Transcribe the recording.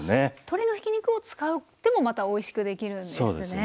鶏のひき肉を使ってもまたおいしくできるんですね。